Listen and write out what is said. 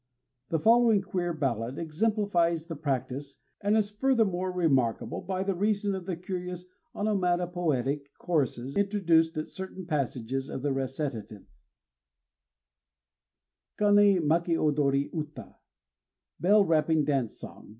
The following queer ballad exemplifies the practice, and is furthermore remarkable by reason of the curious onomatopoetic choruses introduced at certain passages of the recitative: KANÉ MAKI ODORI UTA ("Bell wrapping dance song."